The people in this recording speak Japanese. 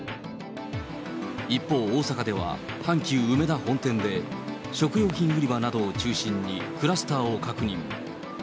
一方、大阪では阪急うめだ本店で、食料品売り場などを中心にクラスターを確認。